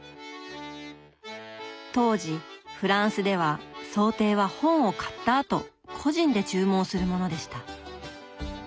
当時フランスでは装丁は本を買ったあと個人で注文するものでした。